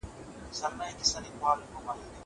عزتمن سړی تل د خپل عزت خیال ساتي.